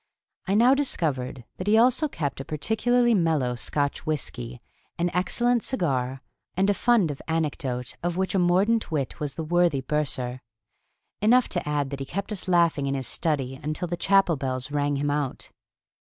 I now discovered that he also kept a particularly mellow Scotch whiskey, an excellent cigar, and a fund of anecdote of which a mordant wit was the worthy bursar. Enough to add that he kept us laughing in his study until the chapel bells rang him out.